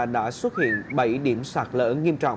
đã xuất hiện bảy điểm xạc lỡ nghiêm trọng